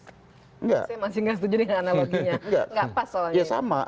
saya masih nggak setuju dengan analoginya